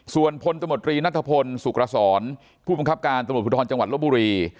ส่วนพลตมตรีนัทพลสุขรสรผู้บังคับการตำรวจภูทรจังหวัดลบบุรี